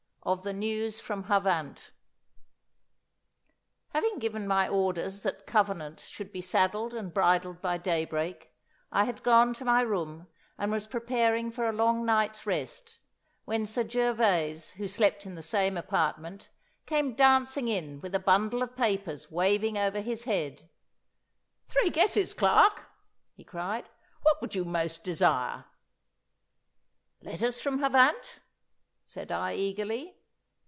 Of the News from Havant Having given my orders that Covenant should be saddled and bridled by daybreak, I had gone to my room and was preparing for a long night's rest, when Sir Gervas, who slept in the same apartment, came dancing in with a bundle of papers waving over his head. 'Three guesses, Clarke!' he cried. 'What would you most desire?' 'Letters from Havant,' said I eagerly.